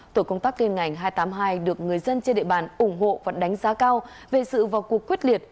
tổ công tác tiên ngành hai trăm tám mươi hai được người dân trên địa bàn ủng hộ và đánh giá cao về sự vào cuộc quyết liệt